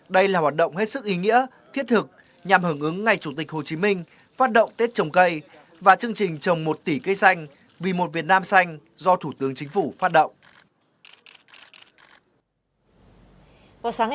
đây là hoạt động hết sức ý nghĩa thiết thực nhằm hưởng ứng ngày chủ tịch hồ chí minh phát động tết trồng cây và chương trình trồng một tỷ cây xanh vì một việt nam xanh do thủ tướng chính phủ phát động